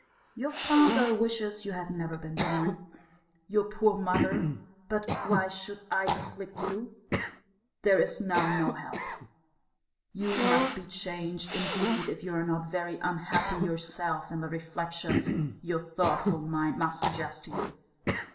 Your father wishes you had never been born. Your poor mother but why should I afflict you? There is now no help! You must be changed, indeed, if you are not very unhappy yourself in the reflections your thoughtful mind must suggest to you.